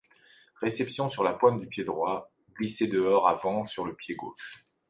Réception sur la pointe du pied droit, glissé dehors avant sur le pied gauche.